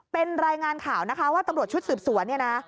เป็นรายงานข่าวนะคะว่าตำรวจชุดสืบสวนเนี่ยนะ